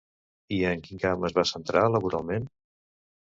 I en quin camp es va centrar laboralment?